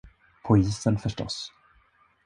På isen, förstås.